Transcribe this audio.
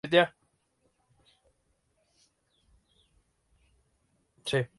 Fueron finalistas del Pre-Cosquín y del Pre-Baradero.